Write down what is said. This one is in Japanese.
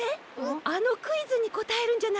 あのクイズにこたえるんじゃないかしら？